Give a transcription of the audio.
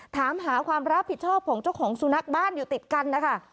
ถามหาความรับผิดชอบของเจ้าของสุนัขบ้านอยู่ติดกันนะคะ